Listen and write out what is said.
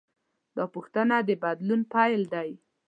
دا پوښتنه د بدلون پیل دی.